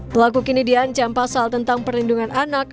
pelaku kini diancam pasal tentang perlindungan anak